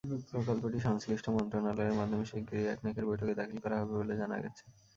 প্রকল্পটি-সংশ্লিষ্ট মন্ত্রণালয়ের মাধ্যমে শিগগিরই একনেকের বৈঠকে দাখিল করা হবে বলে জানা গেছে।